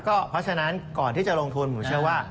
เพราะฉะนั้นก่อนที่จะลงทุนผมเชื่อว่า